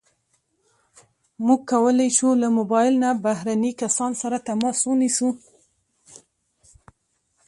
موږ کولی شو له موبایل نه بهرني کسان سره تماس ونیسو.